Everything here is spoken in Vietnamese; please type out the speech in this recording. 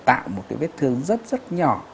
tạo một cái vết thương rất rất nhỏ